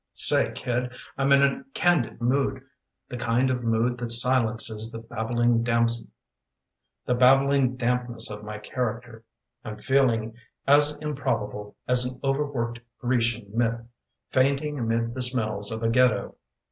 SAY, kid, I'm in a candid mood; The kind of mood that silences The babbling dampness of my character. I'm feeling as improbable As an overworked Grecian myth Fainting amid the smells of a Ghetto.